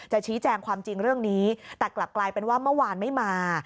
ชี้แจงความจริงเรื่องนี้แต่กลับกลายเป็นว่าเมื่อวานไม่มา